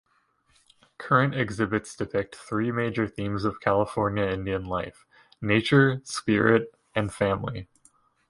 Current exhibits depict three major themes of California Indian life: Nature, Spirit, and Family.